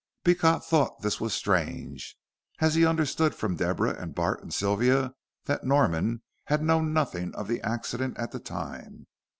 Beecot thought this was strange, as he understood from Deborah and Bart and Sylvia that Norman had known nothing of the accident at the time.